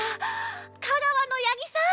香川の八木さん